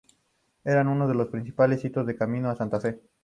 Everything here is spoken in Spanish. Eran uno de los principales hitos del Camino de Santa Fe.